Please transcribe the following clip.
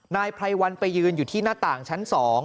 นายไพรวัลไปยืนอยู่ที่หน้าต่างชั้น๒